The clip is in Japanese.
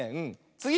つぎ！